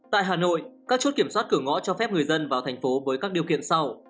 tại hà nội các chốt kiểm soát cửa ngõ cho phép người dân vào thành phố với các điều kiện sau